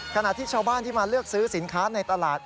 ขณะที่ชาวบ้านที่มาเลือกซื้อสินค้าในตลาด